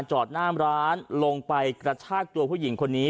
จอดหน้ามร้านลงไปกระชากตัวผู้หญิงคนนี้